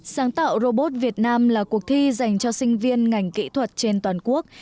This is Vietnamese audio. sáng tạo robot việt nam là cuộc thi dành cho sinh viên ngành kỹ thuật trên toàn quốc